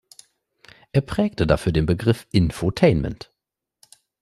Er prägte dafür den Begriff „Infotainment“.